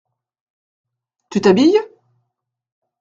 Tu t’habilles ?